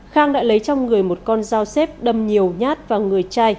khang đã lấy trong người một con dao xếp đâm nhiều nhát vào người trai